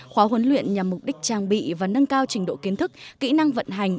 khóa huấn luyện nhằm mục đích trang bị và nâng cao trình độ kiến thức kỹ năng vận hành